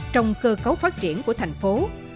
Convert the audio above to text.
trong cơ cấu phát triển của thành phố